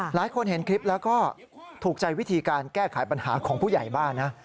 หลายคนเห็นคลิปแล้วก็ถูกใจวิธีการแก้ไขปัญหาของผู้ใหญ่บ้านนะ